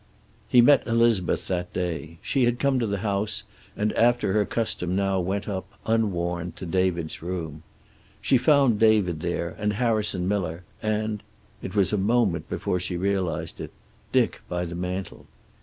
He met Elizabeth that day. She had come to the house, and after her custom now went up, unwarned, to David's room. She found David there and Harrison Miller, and it was a moment before she realized it Dick by the mantel.